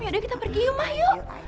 yaudah kita pergi yuk mah yuk